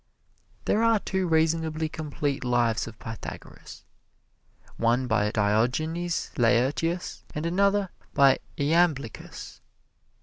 There are two reasonably complete lives of Pythagoras, one by Diogenes Laertius, and another by Iamblichus.